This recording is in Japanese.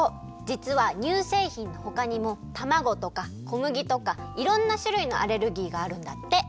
じつは乳せいひんのほかにもたまごとかこむぎとかいろんなしゅるいのアレルギーがあるんだって。